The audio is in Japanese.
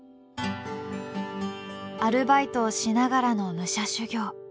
アルバイトをしながらの武者修行。